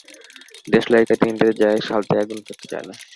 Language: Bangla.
দেশলাইয়ের কাঠি নিতে যায়, সালতায় আগুন ধরতে চায় না।